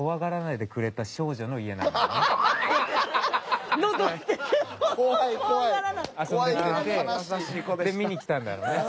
で見に来たんだろうね。